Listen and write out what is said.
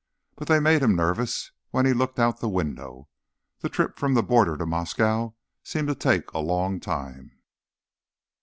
But they made him nervous when he looked out the window. The trip from the border to Moscow seemed to take a long time.